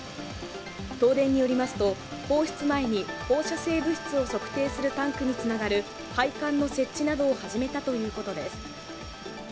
東電によりますと放出前に放射性物質を測定するタンクにつながる配管の設置などを始めたということです。